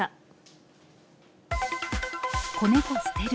子猫捨てる。